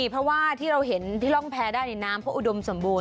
เพราะว่าที่เราเห็นที่ร่องแพ้ได้ในน้ำเขาอุดมสมบูรณ